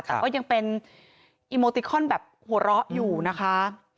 แต่ก็ยังเป็นอีโมติคอนแบบหัวเราะอยู่นะคะ